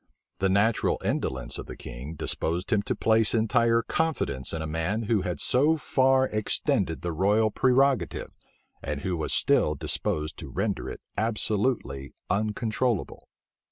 The natural indolence of the king disposed him to place entire confidence in a man who had so far extended the royal prerogative, and who was still disposed to render it absolutely uncontrollable.